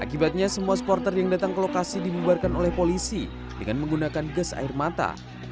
akibatnya semua supporter yang datang ke lokasi dibubarkan oleh polisi dengan menggunakan gas air mata